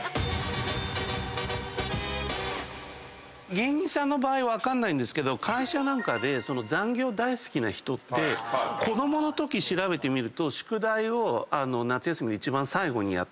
⁉芸人さんの場合分かんないけど会社なんかで残業大好きな人って子供のとき調べてみると宿題を夏休みの一番最後にやってたような人なんです。